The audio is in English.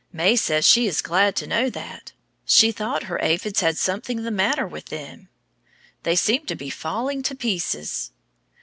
May says she is glad to know that; she thought her aphids had something the matter with them. They seemed to be falling to pieces.